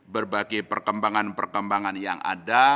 berbagai perkembangan perkembangan yang ada